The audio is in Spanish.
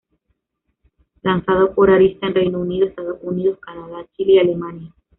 Lanzado por Arista en Reino Unido, Estados Unidos, Canadá, Chile y Alemania.